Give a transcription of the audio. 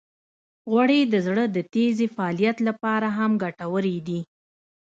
غوړې د زړه د تېزې فعالیت لپاره هم ګټورې دي.